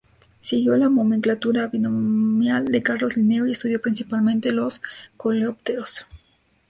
Siguió la nomenclatura binomial de Carlos Linneo y estudió principalmente los Coleópteros.